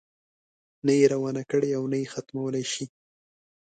نه یې روانه کړې او نه یې ختمولای شي.